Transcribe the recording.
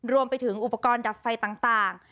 รวมไปถึงอุปกรณ์ดับไฟต่าง